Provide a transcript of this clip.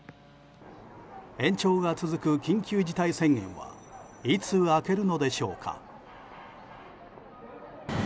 延長が続く緊急事態宣言はいつ明けるのでしょうか。